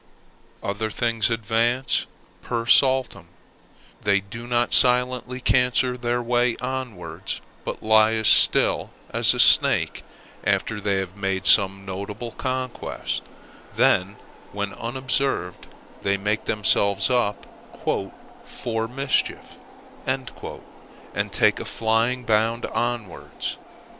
Other things advance per saltum they do not silently cancer their way onwards, but lie as still as a snake after they have made some notable conquest, then when unobserved they make themselves up "for mischief," and take a flying bound onwards.